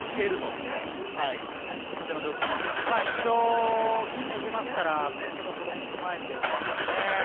一度決めていますから、そういったところも踏まえてでしょうね。